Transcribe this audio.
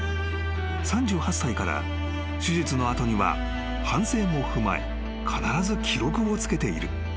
［３８歳から手術の後には反省も踏まえ必ず記録をつけている］